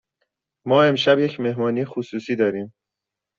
ما امشب یک مهمانی خصوصی داریم.